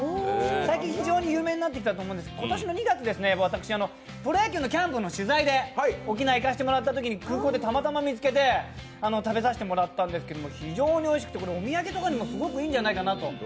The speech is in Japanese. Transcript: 最近、非常に有名になってきたと思うんですけど今年の２月、私プロ野球のキャンプの取材で沖縄に行かせてもらったときに空港でたまたま見つけて食べさせてもらったんですけど非常においしくて、お土産とかにも非常にいいんじゃないかと。